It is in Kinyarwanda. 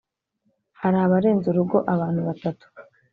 hara barenze urugo abantu batatu